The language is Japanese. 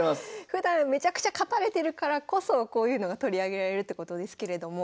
ふだんめちゃくちゃ勝たれてるからこそこういうのが取り上げられるってことですけれども。